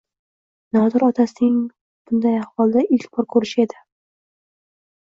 Nodir otasining bunday ahvolda ilk bor ko‘rishi edi.